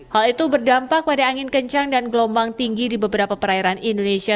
hal itu berdampak pada angin kencang dan gelombang tinggi di beberapa perairan indonesia